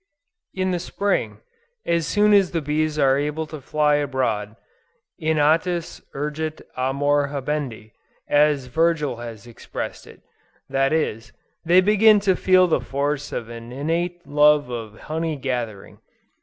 In the Spring, as soon as the bees are able to fly abroad, "innatus urget amor habendi," as Virgil has expressed it; that is, they begin to feel the force of an innate love of honey getting.